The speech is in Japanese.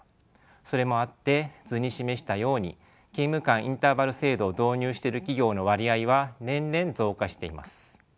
それもあって図に示したように勤務間インターバル制度を導入してる企業の割合は年々増加しています。